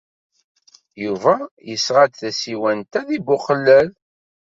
Yuba yesɣa-d tasiwant-a deg Buqellal.